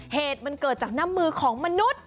เหตุมันเกิดจากน้ำมือของมนุษย์